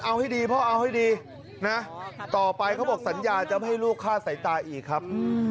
เอาให้ดีพ่อเอาให้ดีนะต่อไปเขาบอกสัญญาจะไม่ให้ลูกฆ่าสายตาอีกครับ